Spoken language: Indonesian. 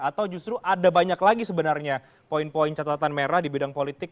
atau justru ada banyak lagi sebenarnya poin poin catatan merah di bidang politik